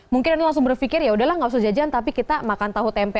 mungkin anda langsung berpikir yaudahlah nggak usah jajan tapi kita makan tahu tempe